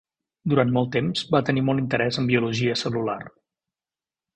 Durant molt temps va tenir molt interès en biologia cel·lular.